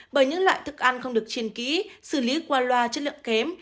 bởi những loại thức ăn không được chiên kỹ xử lý qua loa chất lượng kém